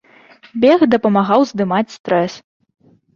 Бег дапамагаў здымаць стрэс.